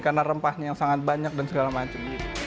karena rempahnya yang sangat banyak dan segala macam